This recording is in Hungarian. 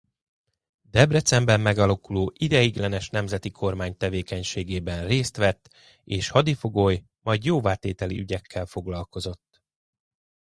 Debrecenben megalakuló Ideiglenes Nemzeti Kormány tevékenységében részt vett és hadifogoly majd jóvátételi ügyekkel foglalkozott.